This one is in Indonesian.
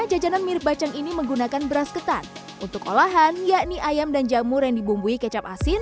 jajanan mirip bacang ini menggunakan beras ketan untuk olahan yakni ayam dan jamur yang dibumbui kecap asin